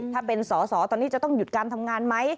ถ้าเป็นสอสอตอนนี้จะต้องหยุดการทำงานไหม